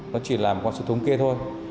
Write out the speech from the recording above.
nó chỉ là một con số thống kê thôi